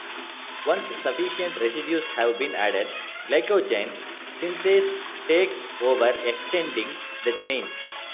Once sufficient residues have been added, glycogen synthase takes over extending the chain.